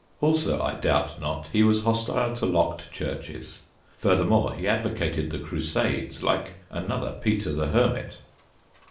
Also, I doubt not, he was hostile to locked churches. Furthermore, he advocated the Crusades like another Peter the Hermit.